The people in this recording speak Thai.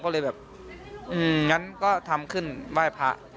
ก็เลยแบบงั้นก็ทำขึ้นไหว้พระ